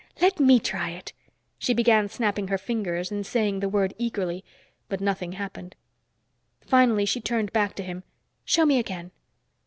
Let me try it." She began snapping her fingers and saying the word eagerly, but nothing happened. Finally she turned back to him. "Show me again."